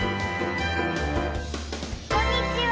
こんにちは！